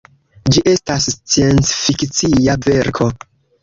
Ĝi estas sciencfikcia verko.